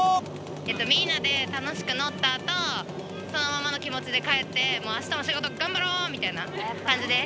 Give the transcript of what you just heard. みんなで楽しく乗ったあと、そのままの気持ちで帰って、あしたも仕事頑張ろうみたいな感じです。